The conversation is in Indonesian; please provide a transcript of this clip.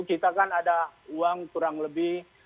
kita kan ada uang kurang lebih